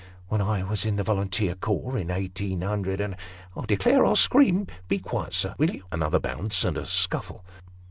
when I was in the volunteer corps, in eighteen hundred and "" I declare I'll scream. Be quiet, sir, will you ?" (Another bounce and a scuffle.)